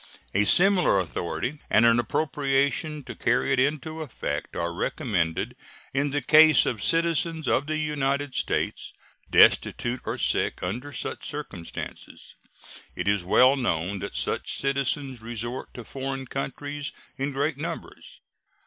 A similar authority and an appropriation to carry it into effect are recommended in the case of citizens of the United States destitute or sick under such circumstances. It is well known that such citizens resort to foreign countries in great numbers.